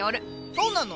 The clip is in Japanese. そうなの？